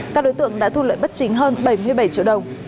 các đối tượng đã thu lợi bất chính hơn bảy mươi bảy triệu đồng